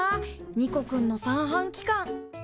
ニコくんの三半規管。